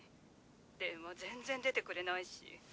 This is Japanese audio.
電話全然出てくれないし。